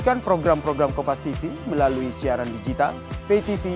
kami juga melakukan penyelidikan penangkapan ikan